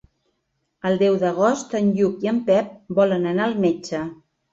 El deu d'agost en Lluc i en Pep volen anar al metge.